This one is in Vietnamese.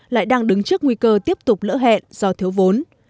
lại đang đứng trước nguy cơ tiếp tục lỡ hẹn do thiếu vốn